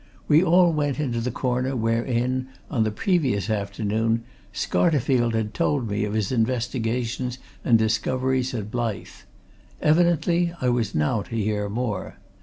We all went into the corner wherein, on the previous afternoon, Scarterfield had told me of his investigations and discoveries at Blyth. Evidently I was now to hear more.